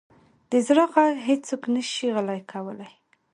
د زړه ږغ هیڅوک نه شي غلی کولی.